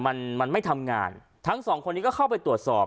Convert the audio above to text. มันมันไม่ทำงานทั้งสองคนนี้ก็เข้าไปตรวจสอบ